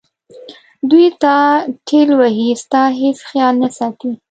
دوی تا ټېل وهي ستا هیڅ خیال نه ساتي.